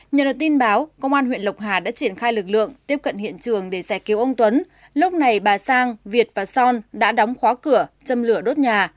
nhờ được tin báo công an huyện lộc hà đã triển khai lực lượng tiếp cận hiện trường để giải cứu ông tuấn lúc này bà sang việt và son đã đóng khóa cửa châm lửa đốt nhà